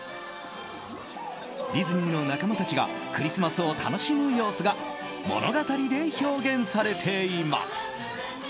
ディズニーの仲間たちがクリスマスを楽しむ様子が物語で表現されています。